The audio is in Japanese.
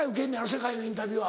世界のインタビュアー。